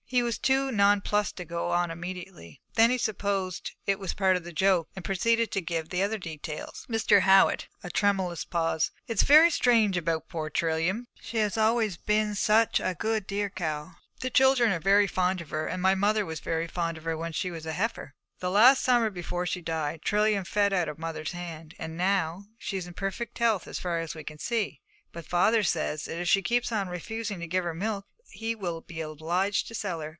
He was too nonplussed to go on immediately. Then he supposed it was part of the joke, and proceeded to give the other details. 'Mr. Howitt,' a tremulous pause, 'it is very strange about poor Trilium, she has always been such a good, dear cow; the children are very fond of her, and my mother was very fond of her when she was a heifer. The last summer before she died, Trilium fed out of mother's hand, and now she's in perfect health as far as we can see, but father says that if she keeps on refusing to give her milk he will be obliged to sell her.'